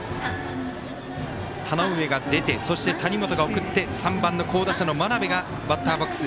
田上が出て谷本が送って３番の好打者の真鍋がバッターボックス。